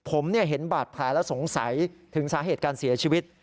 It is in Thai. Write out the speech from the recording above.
ผมเห็นบาดแผลแล้วสงสัยถึงสาเหตุการเสียชีวิต